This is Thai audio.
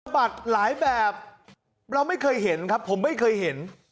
บัตรหลายแบบเราไม่เคยเห็นครับผมไม่เคยเห็น